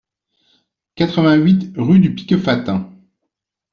quatre-vingt-huit rue du Piquefate